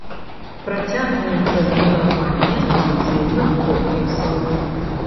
Працягваецца збудаванне станцыйных комплексаў.